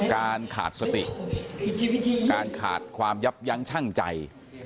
การขาดสติการขาดความยับยั้งชั่งใจ